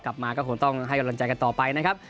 กลับมาก็คงต้องให้กำลังใจกันต่อไปนะครับ